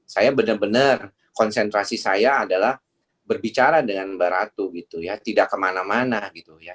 saya benar benar konsentrasi saya adalah berbicara dengan mbak ratu gitu ya tidak kemana mana gitu ya